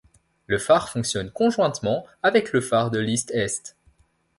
Le phare fonctionne conjointement avec le phare de List Est.